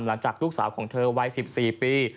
หลังจากลูกสาวของเธอวัย๑๔ปี